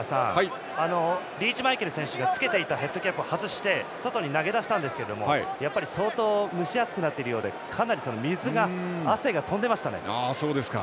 リーチマイケル選手が着けていたヘッドキャップを外して外に投げ出したんですけれどもやっぱり相当蒸し暑くなっているようでかなり水が、汗が飛んでましたね。